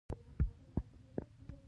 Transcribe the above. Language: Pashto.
د افغانستان لرغونی تاریخ ویاړلی دی